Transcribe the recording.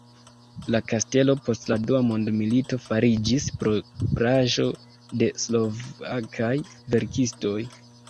La kastelo post la dua mondmilito fariĝis propraĵo de slovakaj verkistoj.